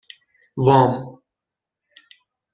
وام